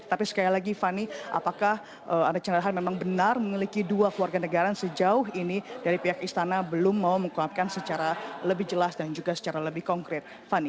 tapi sekali lagi fani apakah archandra har memang benar memiliki dua keluarga negaraan sejauh ini dari pihak istana belum mau menguapkan secara lebih jelas dan juga secara lebih konkret fani